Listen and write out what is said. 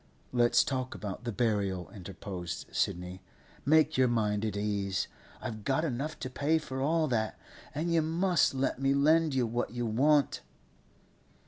'Let's talk about the burial,' interposed Sidney. 'Make your mind at ease. I've got enough to pay for all that, and you must let me lend you what you want.